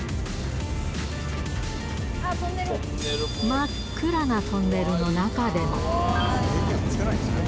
真っ暗なトンネルの中でも。